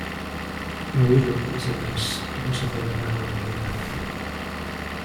He oído que en ese país no se celebra la Navidad.